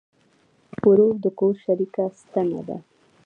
ورور د کور شریکه ستنه ده.